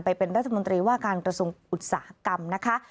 ไปเป็นรัฐมนตรีว่าการกระทรวงอุตสาหกรรมนะคะ